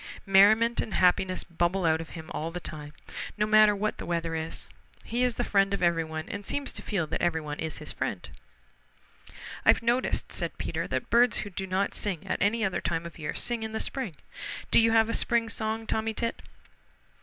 Merriment and happiness bubble out of him all the time, no matter what the weather is. He is the friend of everyone and seems to feel that everyone is his friend. "I've noticed," said Peter, "that birds who do not sing at any other time of year sing in the spring. Do you have a spring song, Tommy Tit?"